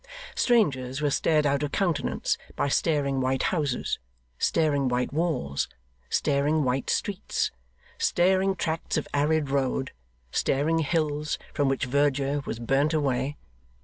Strangers were stared out of countenance by staring white houses, staring white walls, staring white streets, staring tracts of arid road, staring hills from which verdure was burnt away.